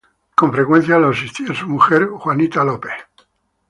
Con frecuencia lo asistía su mujer, Jean Scott.